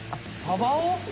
サバを？